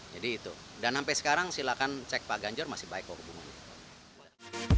jadi itu dan sampai sekarang silakan cek pak ganjar masih baik hubungannya